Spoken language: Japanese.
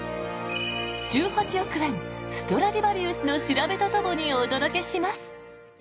１８億円、ストラディバリウスの調べとともにお届けします。